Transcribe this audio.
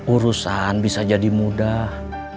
urusan bisa jadi mudah